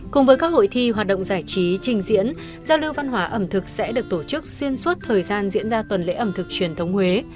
cùng với các hội thi hoạt động giải trí trình diễn giao lưu văn hóa ẩm thực sẽ được tổ chức xuyên suốt thời gian diễn ra tuần lễ ẩm thực truyền thống huế